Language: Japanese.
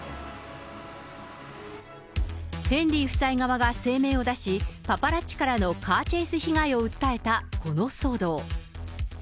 ヘンリー夫妻側は声明を出し、パパラッチからのカーチェイス被害を訴えたこの騒動。